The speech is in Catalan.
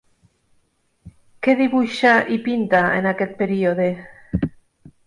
Què dibuixa i pinta en aquest període?